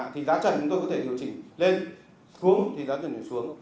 thì giá trần chúng tôi có thể điều chỉnh lên xuống thì giá trần này xuống